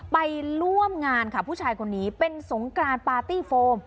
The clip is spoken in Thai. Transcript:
ไปร่วมงานค่ะผู้ชายคนนี้เป็นสงกรานปาร์ตี้โฟม